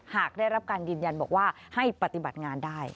หากได้รับการยืนยันบอกว่าให้ปฏิบัติงานได้